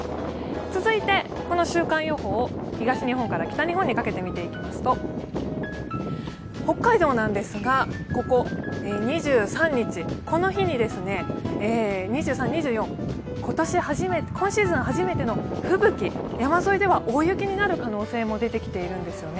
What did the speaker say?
続いてこの週間予報を東日本から北日本にかけて見ていくと、北海道なんですが、２３日、２４日、今シーズン初めての吹雪、山沿いでは大雪になる可能性も出てきているんですよね。